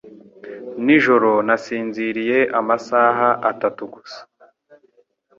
Nijoro nasinziriye amasaha atatu gusa.